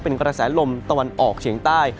เป็นกระแสลมตะวันออกเฉียงใต้